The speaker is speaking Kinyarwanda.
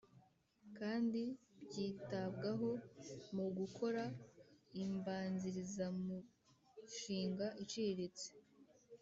Kandi byitabwaho mu gukora imbanzirizamushinga iciriritse